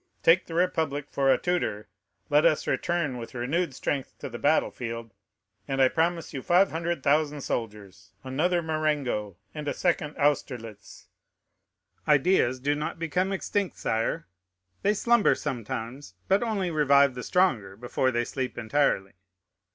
Take the Republic for a tutor; let us return with renewed strength to the battle field, and I promise you 500,000 soldiers, another Marengo, and a second Austerlitz. Ideas do not become extinct, sire; they slumber sometimes, but only revive the stronger before they sleep entirely.